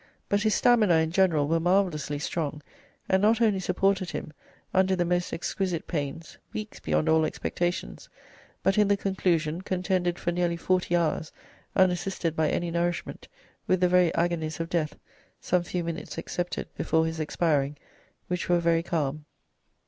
But his stamina, in general, were marvellously strong, and not only supported him, under the most exquisite pains, weeks beyond all expectations; but, in the conclusion, contended for nearly forty hours (unassisted by any nourishment) with the very agonies of death, some few minutes excepted, before his expiring, which were very calm.